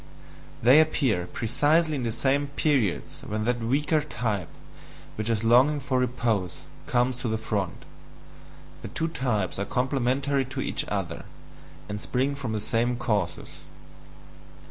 They appear precisely in the same periods when that weaker type, with its longing for repose, comes to the front; the two types are complementary to each other, and spring from the same causes.